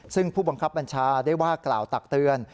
ซึ่งผู้บังคับบัญชาได้ว่ากล่าวตักเตือน